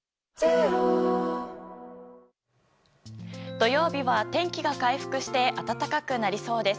土曜日は天気が回復して暖かくなりそうです。